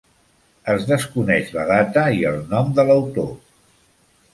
Es desconeix la data i el nom de l'autor.